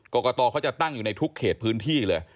กรกตเขาจะตั้งอยู่ในทุกเขตพื้นที่เลย